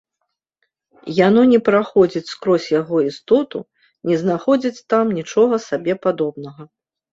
Яно не праходзіць скрозь яго істоту, не знаходзіць там нічога сабе падобнага.